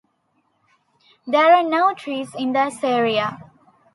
There are no trees in this area.